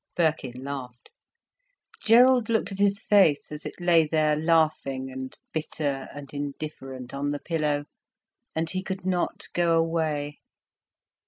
Birkin laughed. Gerald looked at his face, as it lay there laughing and bitter and indifferent on the pillow, and he could not go away.